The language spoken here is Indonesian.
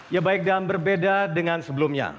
ya baik dan berbeda dengan sebelumnya